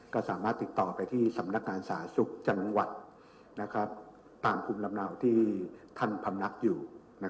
ก็สามารถติดต่อไปที่สำนักงานสาธารณสุขจังหวัดตามภูมิลำเนาที่ท่านพำนักอยู่